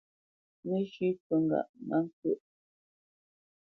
Mə́shʉ̄ cû ŋgâʼ má ŋkyə́ʼ.